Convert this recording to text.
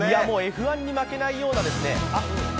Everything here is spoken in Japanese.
Ｆ１ に負けないような